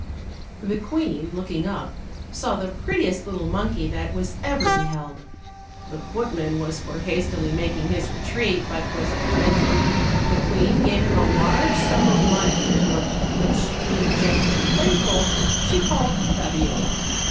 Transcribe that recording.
The queen, looking up, saw the prettiest little monkey that was ever beheld. The footman was for hastily making his retreat, but was prevented: the queen gave him a large sum of money for the monkey, which, being gentle and playful, she called Babiola.